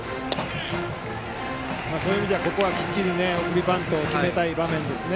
そういう意味ではここはきっちり送りバントを決めたい場面ですね。